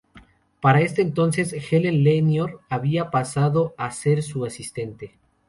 Para este entonces, Helen Lenoir había pasado a ser su asistente.